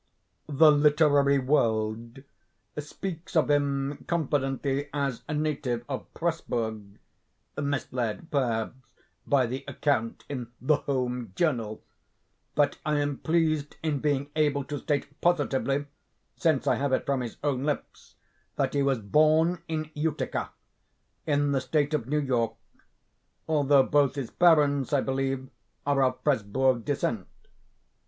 "The Literary World" speaks of him, confidently, as a native of Presburg (misled, perhaps, by the account in "The Home Journal") but I am pleased in being able to state positively, since I have it from his own lips, that he was born in Utica, in the State of New York, although both his parents, I believe, are of Presburg descent.